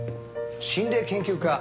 心霊研究家